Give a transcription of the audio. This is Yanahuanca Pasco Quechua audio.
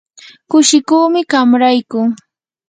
kushikuumi qam rayku.